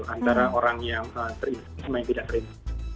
antara orang yang terinfek sama yang tidak terinfeksi